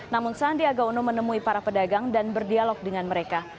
namun sandiaga uno menemui para pedagang dan berdialog dengan mereka